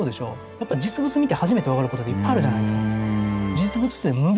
やっぱ実物見て初めて分かることっていっぱいあるじゃないですか。